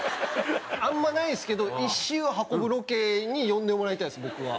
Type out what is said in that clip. あんまりないんですけど石を運ぶロケに呼んでもらいたいんです僕は。